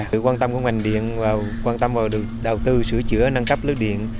sự quan tâm của ngành điện và quan tâm vào được đầu tư sửa chữa nâng cấp lưới điện